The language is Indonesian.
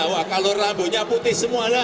wah kalau rambunya putih semuanya